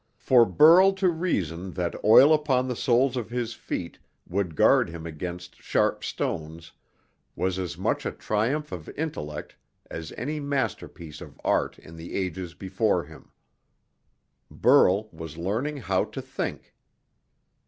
For Burl to reason that oil upon the soles of his feet would guard him against sharp stones was as much a triumph of intellect as any masterpiece of art in the ages before him. Burl was learning how to think.